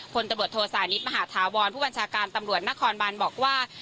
คนตำรวจโทษานิทมหาธาวรผู้บัญชาการตำรวจนครบานบอกว่า